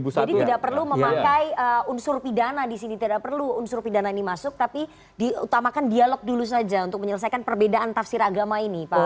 jadi tidak perlu memakai unsur pidana disini tidak perlu unsur pidana ini masuk tapi diutamakan dialog dulu saja untuk menyelesaikan perbedaan tafsir agama ini pak